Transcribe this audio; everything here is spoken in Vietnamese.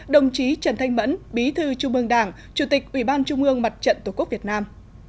đồng chí trần thanh mẫn bí thư trung ương đảng chủ tịch ủy ban trung ương mặt trận tổ quốc việt nam